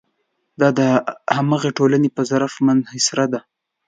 دا د همغې ټولنې په ظرف منحصره ده.